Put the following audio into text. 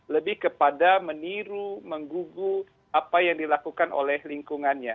lebih kepada meniru menggugu apa yang dilakukan oleh lingkungannya